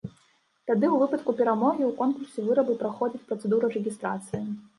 Тады ў выпадку перамогі ў конкурсе вырабы праходзяць працэдуру рэгістрацыі.